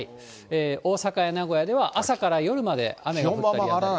大阪や名古屋では朝から夜まで雨が降ったりやんだり。